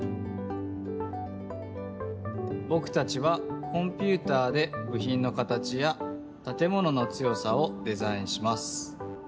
ぼくたちはコンピューターでぶひんの形やたてものの強さをデザインします。